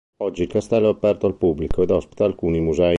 Oggi il castello è aperto al pubblico ed ospita alcuni musei.